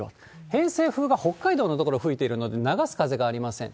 偏西風が北海道の所吹いているので、流す風がありません。